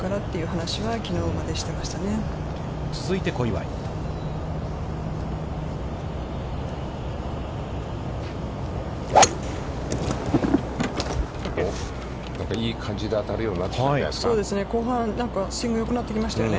何かいい感じで当たるようになってきましたよね。